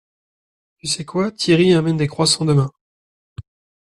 Tu sais quoi? Thierry amène des croissants demain!